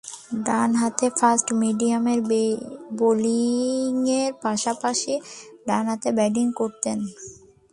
ডানহাতে ফাস্ট-মিডিয়াম বোলিংয়ের পাশাপাশি ডানহাতে ব্যাটিং করতেন।